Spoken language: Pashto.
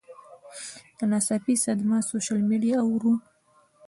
ناڅاپي صدمه ، سوشل میډیا اوور